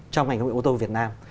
trong ngành công nghiệp ô tô việt nam